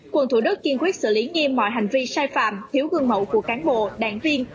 quận thủ đức kiên quyết xử lý nghiêm mọi hành vi sai phạm thiếu gương mẫu của cán bộ đảng viên